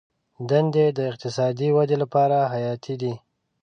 دندې د اقتصاد د ودې لپاره حیاتي دي.